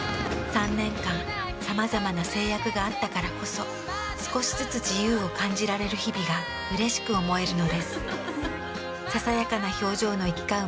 ３年間さまざまな制約があったからこそ少しずつ自由を感じられる日々がうれしく思えるのです。